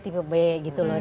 tipe b gitu loh